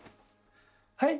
はい？